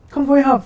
không phối hợp